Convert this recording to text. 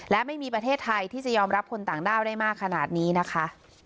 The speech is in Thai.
และไม่มีประเทศไทยที่จะยอมรับคนต่างด้าวได้มากขนาดนี้นะคะ